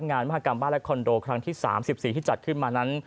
มหากรรมบ้านและคอนโดครั้งที่๓๔ที่จัดขึ้นมานั้น